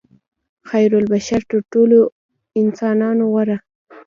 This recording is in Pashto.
خیرالبشر تر ټولو انسانانو غوره.